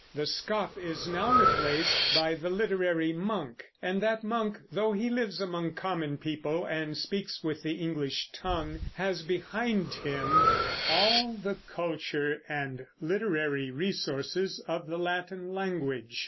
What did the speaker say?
The scop is now replaced by the literary monk; and that monk, though he lives among common people and speaks with the English tongue, has behind him all the culture and literary resources of the Latin language.